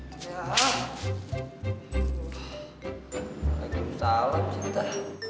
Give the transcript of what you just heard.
asma dimana kamu asma